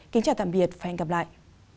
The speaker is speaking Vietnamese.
kính chào tạm biệt và hẹn gặp lại